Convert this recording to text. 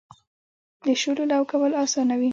د شولو لو کول اسانه وي.